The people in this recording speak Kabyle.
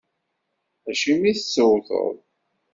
Acimi i tt-tewwteḍ?